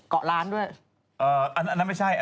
สนับสนุนโดยดีที่สุดคือการให้ไม่สิ้นสุด